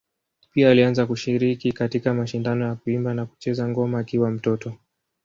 Pia alianza kushiriki katika mashindano ya kuimba na kucheza ngoma akiwa mtoto.